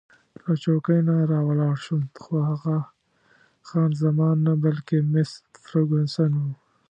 له چوکۍ نه راولاړ شوم، خو هغه خان زمان نه، بلکې مس فرګوسن وه.